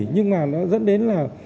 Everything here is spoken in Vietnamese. nhưng mà nó dẫn đến là